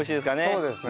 そうですね。